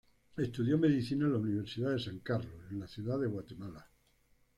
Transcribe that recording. Estudió medicina en la Universidad de San Carlos en la ciudad de Guatemala.